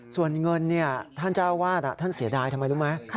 ส่วนเงินท่านเจ้าวาดท่านเสียดายทำไมรู้ไหม